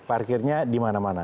parkirnya di mana mana